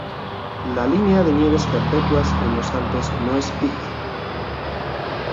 La línea de nieves perpetuas en los Alpes no es fija.